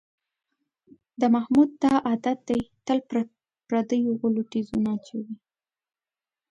د محمود دا عادت دی، تل په پردیو غولو تیزونه اچوي.